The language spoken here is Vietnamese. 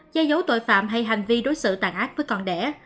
gia dấu tội phạm hay hành vi đối xử tàn ác với con đẻ